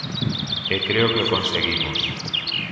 E creo que o conseguimos.